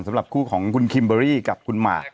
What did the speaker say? สำหรับคู่ของคุณคิมเบอรี่กับคุณหมาก